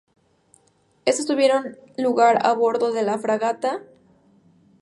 Estas tuvieron lugar a bordo de la fragata "L’Hirondelle"".